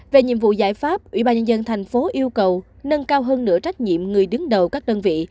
về nhiệm vụ giải pháp ủy ban nhân dân thành phố yêu cầu nâng cao hơn nửa trách nhiệm người đứng đầu các đơn vị